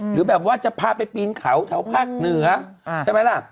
หรือแบบว่าจะพาไปปีนเขาแถวภาคเหนือใช่ไหมล่ะ